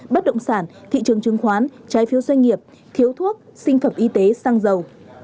bất động sản thị trường chứng khoán trái phiếu doanh nghiệp thiếu thuốc sinh phẩm y tế xăng dầu